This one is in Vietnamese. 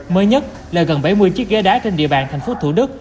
mới nhất là gần bảy mươi chiếc ghế đá trên địa bàn thành phố thủ đức